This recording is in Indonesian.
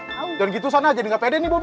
jangan gitu san aja jadi gak pede nih bobby